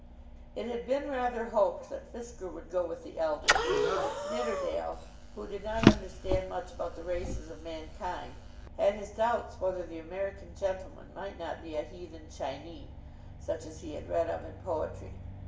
It had been rather hoped that Fisker would go with the elders. Nidderdale, who did not understand much about the races of mankind, had his doubts whether the American gentleman might not be a "Heathen Chinee," such as he had read of in poetry.